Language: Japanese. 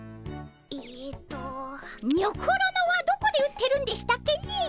えっとにょころのはどこで売ってるんでしたっけねえ。